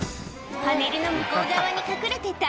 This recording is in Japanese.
パネルの向こう側に隠れて